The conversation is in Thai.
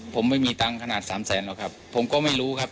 ผมไม่มีเงินขนาด๓๐๐๐๐๐บาทและผมก็ไม่รู้ครับ